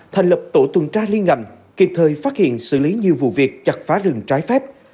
thành lập tổ tuần tra liên ngành kịp thời phát hiện xử lý nhiều vụ việc chặt phá rừng trái phép